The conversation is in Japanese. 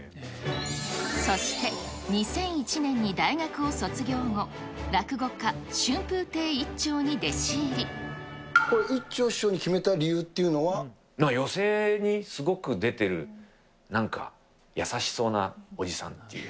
そして２００１年に大学を卒業後、落語家、これ、一朝師匠に決めた理由寄席にすごく出てる、なんか優しそうなおじさんっていう。